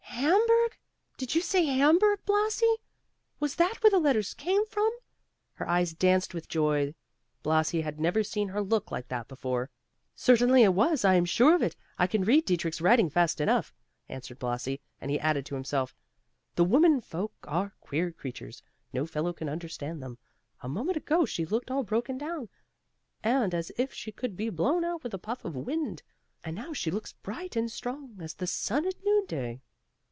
"Hamburg! did you say Hamburg, Blasi? Was that where the letter came from?" Her eyes danced with joy; Blasi had never seen her look like that before. "Certainly it was; I am sure of it; I can read Dietrich's writing fast enough," answered Blasi, and he added to himself, "The women folk are queer creatures. No fellow can understand them. A moment ago she looked all broken down, and as if she could be blown out with a puff of wind, and now she looks bright and strong as the sun at noon day."